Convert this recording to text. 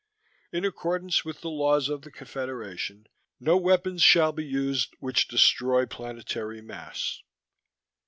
In accordance with the laws of the Confederation, no weapons shall be used which destroy planetary mass.